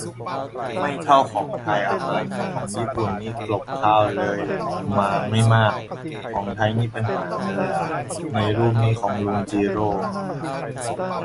ไม่เท่าของไทยอะฮะ ของญี่ปุ่นนี่กลบเลยข้าวมาไม่มาก ของไทยนี่เป็นหางเลยอะ ในรูปนี่ของลุงจิโร่